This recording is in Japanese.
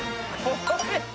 これ。